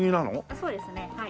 そうですねはい。